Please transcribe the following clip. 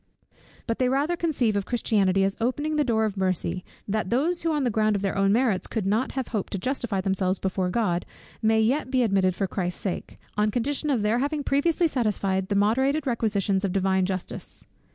But they rather conceive of Christianity as opening the door of mercy, that those who on the ground of their own merits could not have hoped to justify themselves before God, may yet be admitted for Christ's sake, on condition of their having previously satisfied the moderated requisitions of Divine Justice.